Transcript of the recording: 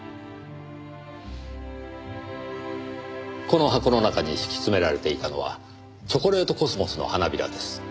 この箱の中に敷き詰められていたのはチョコレートコスモスの花びらです。